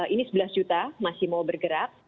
ini sebelas juta masih mau bergerak